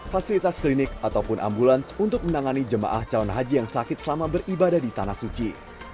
fasilitas klinik ataupun ambulans untuk menangani jemaah calon haji yang sakit selama beribadah di tanah suci